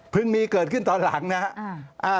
พึงมีเกิดขึ้นตอนหลังนะฮะ